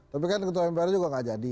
tapi kan ketua mpr juga gak jadi